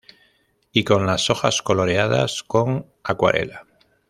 Y con las hojas coloreadas con acuarela.